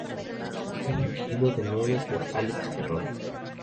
Está dirigido de nuevo por Alex Herron.